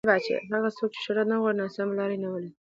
هغه څوک چې شهرت غواړي ناسمه لار یې نیولې ده.